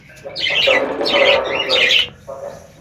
বরং তিনি পূণ্য দ্বারা পাপকে ধ্বংস করেন।